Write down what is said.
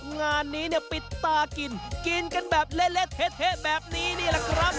งานนี้ปิดตากินกินกันแบบเละเละเทะเทะแบบนี้นี่แหละครับ